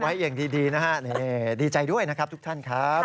ไว้อย่างดีนะฮะดีใจด้วยนะครับทุกท่านครับ